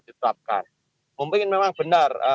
dituapkan mungkin memang benar